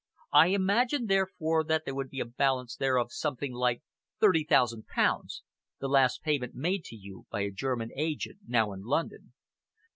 I imagine, therefore, that there would be a balance there of something like thirty thousand pounds, the last payment made to you by a German agent now in London."